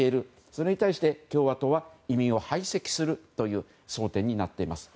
それに対して、共和党は移民を排斥するという争点になっています。